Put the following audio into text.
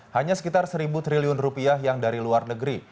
hanya sekitar seribu triliun rupiah yang dari luar negeri